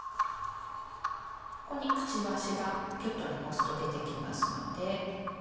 ここにくちばしがギュっと押すと出てきますので。